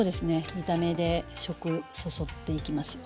見た目で食そそっていきますよ。